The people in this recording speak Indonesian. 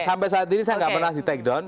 sampai saat ini saya nggak pernah di take down